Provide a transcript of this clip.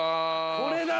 これだろ！